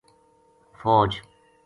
فوج